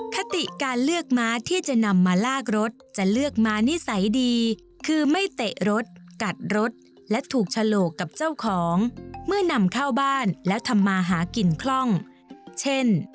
คติการเลือกม้าที่จะนำมาลากรถจะเลือกม้านิสัยดีคือไม่เตะรถกัดรถและถูกฉลกกับเจ้าของเมื่อนำเข้าบ้านแล้วทำมาหากินคล่องเช่น